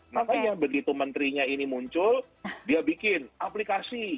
makanya begitu menterinya ini muncul dia bikin aplikasi